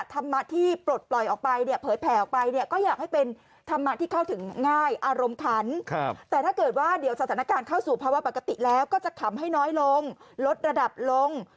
แต่ถ้าเกิดว่าเดี๋ยวสถานการณ์เข้าสู่ภาวะปกติแล้วก็จะขำให้น้อยลงลดระดับลง